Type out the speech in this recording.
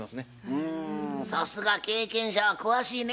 うんさすが経験者は詳しいね。